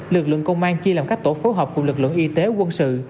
lực lượng công an chia làm các tổ phối hợp cùng lực lượng y tế quân sự